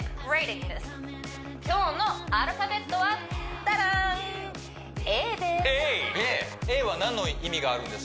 今日のアルファベットはタラーン「Ａ」です